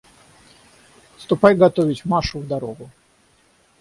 Ступай готовить Машу в дорогу.